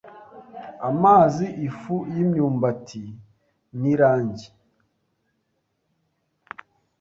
amazi, ifu y’imyumbati n’irangi